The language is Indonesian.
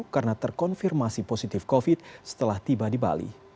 karena terkonfirmasi positif covid setelah tiba di bali